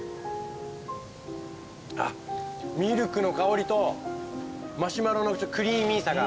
ミルクの香りとマシュマロのクリーミーさが。